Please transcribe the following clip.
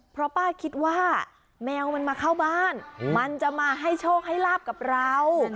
เพราะป้าคิดว่าแมวมันมาเข้าบ้านมันจะมาให้โชคให้ลาบกับเรา